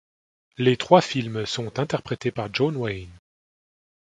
Les trois films sont interprétés par John Wayne.